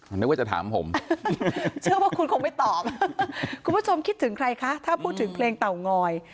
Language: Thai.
นึกว่าจะถามผมเชื่อว่าคุณคงไม่ตอบคุณผู้ชมคิดถึงใครคะถ้าพูดถึงเพลงเต่างอย